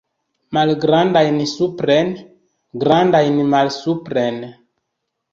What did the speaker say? Malgrandajn supren, grandajn malsupren.